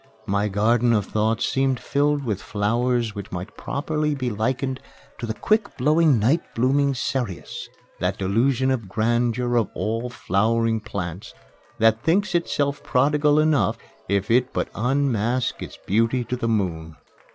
My garden of thoughts seemed filled with flowers which might properly be likened to the quick blowing night blooming cereus that Delusion of Grandeur of all flowering plants that thinks itself prodigal enough if it but unmask its beauty to the moon!